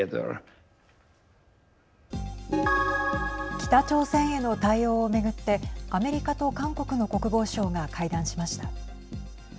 北朝鮮への対応を巡ってアメリカと韓国の国防相が会談しました。